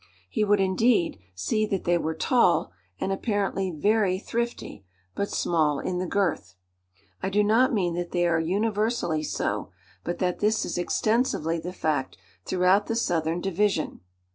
He would, indeed, see that they were tall, and apparently very thrifty, but small in the girth. I do not mean that they are universally so; but that this is extensively the fact throughout the southern division.